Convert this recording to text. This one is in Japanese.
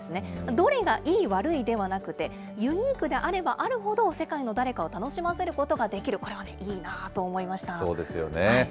どれがいい、悪いではなくて、ユニークであればあるほど、世界の誰かを楽しませることができる、そうですよね。